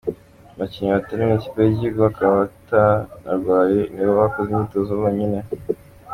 Abakinnyi batari mu ikipe y’igihugu bakaba batanarwaye ni bo bakoze imyitozo bonyine